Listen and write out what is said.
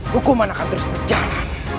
hukuman akan terus berjalan